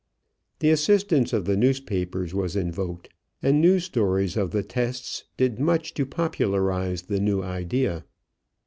The assistance of the newspapers was invoked and news stories of the tests did much to popularize the new idea.